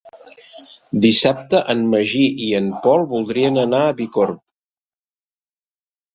Dissabte en Magí i en Pol voldrien anar a Bicorb.